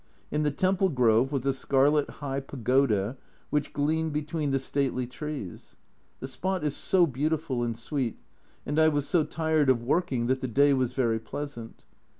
In the temple grove was a scarlet high pagoda, which gleamed between the stately trees. The spot is so peaceful and sweet and I was so tired of working that the day was very pleasant.